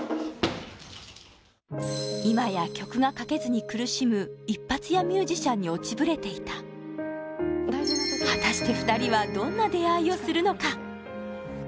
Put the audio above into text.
今や曲が書けずに苦しむ一発屋ミュージシャンに落ちぶれていた果たして２人はどんな出会いをするのか？